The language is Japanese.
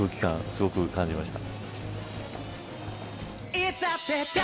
すごく感じました。